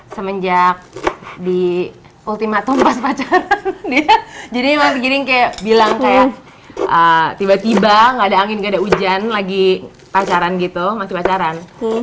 semenjak di ultimatum pas pacaran ya jadi mas giring kayak bilang kayak tiba tiba gak ada angin nggak ada hujan lagi pacaran gitu masih pacaran